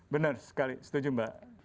benar sekali setuju mbak